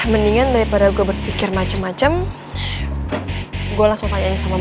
mendingan daripada gue berpikir macem macem gue langsung tanya aja sama boy